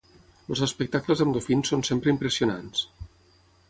Els espectacles amb dofins són sempre impressionants.